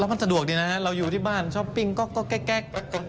มันสะดวกดีนะเราอยู่ที่บ้านช้อปปิ้งก็แก๊ก